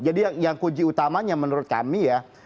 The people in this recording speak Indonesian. jadi yang kunci utamanya menurut kami ya